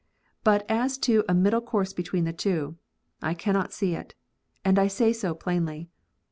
But as to a middle course between the two, I cannot see it ; and I say so plainly.